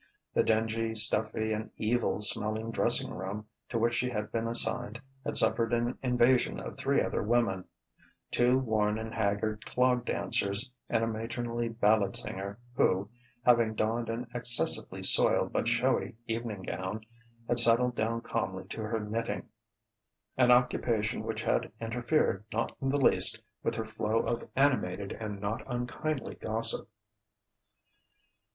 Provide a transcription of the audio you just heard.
The dingy, stuffy, and evil smelling dressing room to which she had been assigned had suffered an invasion of three other women: two worn and haggard clog dancers and a matronly ballad singer who, having donned an excessively soiled but showy evening gown, had settled down calmly to her knitting: an occupation which had interfered not in the least with her flow of animated and not unkindly gossip.